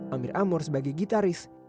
amir amor sebagai gitaris